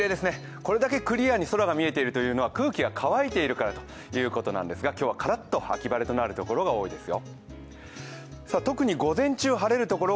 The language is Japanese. これだけクリアに空が見えているということは空気が乾いているということですが今日はカラッと秋晴れとなるところが多いですよ。